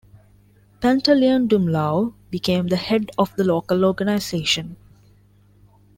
Pantaleon Dumlao became the head of the local organization.